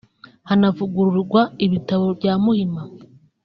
hanavugururwa ibitaro bya Muhima